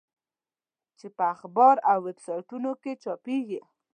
چې په اخبار او ویب سایټونو کې چاپېږي.